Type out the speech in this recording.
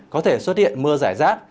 có thể xuất hiện mưa rải rác